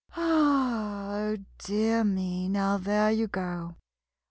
] Oh, dear me! now there you go.